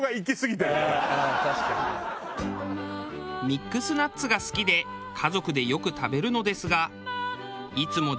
ミックスナッツが好きで家族でよく食べるのですがいつも